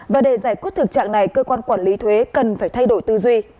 và để giải quyết thực trạng này cơ quan quản lý thuế cần phải thay đổi tư duy